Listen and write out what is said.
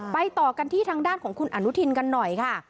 ต่อกันที่ทางด้านของคุณอนุทินกันหน่อยค่ะ